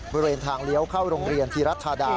บริเวณทางเลี้ยวเข้าโรงเรียนธีรัฐธาดา